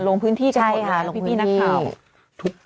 ลงพื้นที่กับพี่นักข่าว